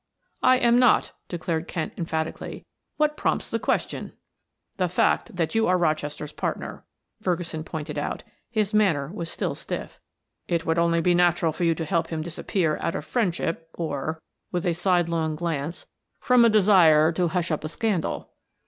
"I am not," declared Kent emphatically. "What prompts the question?" "The fact that you are Rochester's partner," Ferguson pointed out; his manner was still stiff. "It would be only natural for you to help him disappear out of friendship, or" with a sidelong glance "from a desire to hush up a scandal."